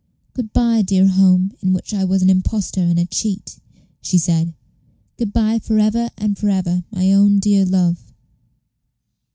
"Good by, dear home, in which I was an impostor and a cheat," she said; "good by for ever and for ever, my own dear love."